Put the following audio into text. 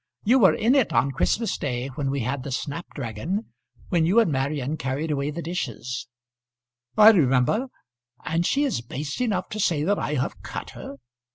You were in it on Christmas day when we had the snapdragon, when you and Marion carried away the dishes." "I remember. And she is base enough to say that I have cut her?